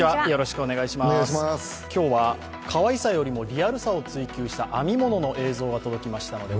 今日は、かわいさよりもリアルさを追求した編み物の映像が届きました。